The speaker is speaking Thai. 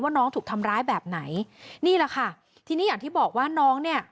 น้องถูกทำร้ายแบบไหนนี่แหละค่ะทีนี้อย่างที่บอกว่าน้องเนี่ย